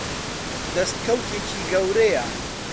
دەستکەوتێکی گەورەیە.